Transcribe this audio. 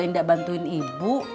enggak bantuin ibu